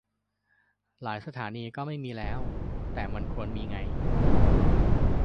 หลายสถานีก็ไม่มีแล้ว - แต่มันควรมีไง